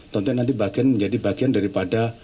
tentunya nanti bagian menjadi bagian daripada